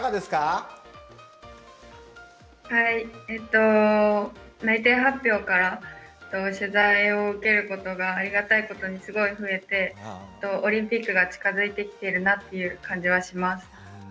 えっと内定発表から取材を受けることがありがたいことにすごい増えてオリンピックが近づいてきてるなっていう感じはします。